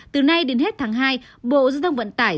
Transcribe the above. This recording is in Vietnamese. từ nay đến hết tháng hai bộ dương tông vận tải